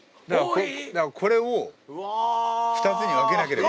これを２つに分けなければ。